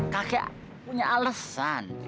kakek punya alesan